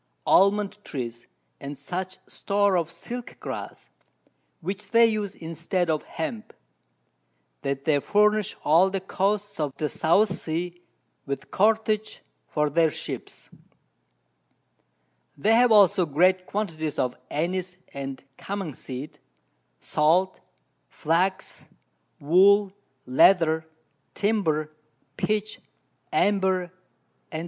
Almond trees, and such Store of Silk grass, which they use instead of Hemp, that they furnish all the Coasts of the South Sea with Cordage for their Ships; they have also great Quantities of Annise and Cummin seed, Salt, Flax, Wool, Leather, Timber, Pitch, Amber, _&c.